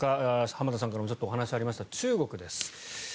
浜田さんからもお話がありました中国です。